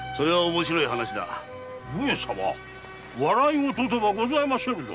笑いごとではございませぬぞ。